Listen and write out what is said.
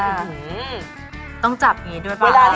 หือต้องจับอย่างนี้ด้วยป่าว